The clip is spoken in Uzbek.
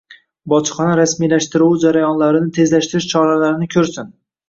Bojxona rasmiylashtiruvi jarayonlarini tezlashtirish choralarini ko‘rsin;